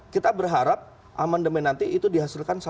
kita berharap aman demand nanti itu dihasilkan satu kali